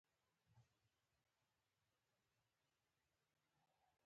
د فوکلوري ارزښت پيدا کولو وړتیا به ډېرې کمې ولري.